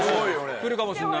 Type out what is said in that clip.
来るかもしんない。